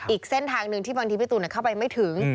อีกเส้นทางหนึ่งที่บางทีพี่ตูนเข้าไปไม่ถึง